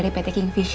tidak ada yang ngerasa